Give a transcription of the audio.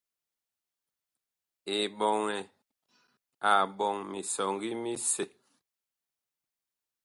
Eɓɔŋɛ a ɓɔŋ misɔŋgi misɛ.